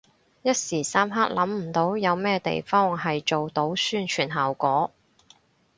一時三刻諗唔到有咩地方係做到宣傳效果